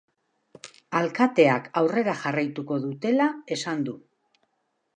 Alkateak aurrera jarraituko dutela esan du.